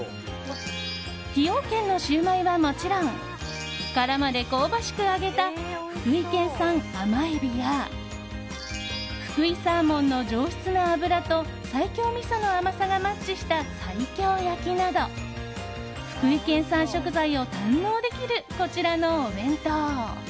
崎陽軒のシウマイはもちろん殻まで香ばしく揚げた福井県産甘エビやふくいサーモンの上質な脂と西京みその甘さがマッチした西京焼きなど福井県産食材を堪能できるこちらのお弁当。